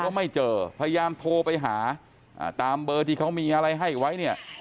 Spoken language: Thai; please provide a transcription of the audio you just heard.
ไม่เจอพยายามโทรไปหาตามเบอร์ที่เขามีอะไรให้ไว้เนี่ย